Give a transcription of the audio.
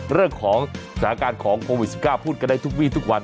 เรื่องของสถานการณ์ของโควิด๑๙พูดกันได้ทุกวีทุกวัน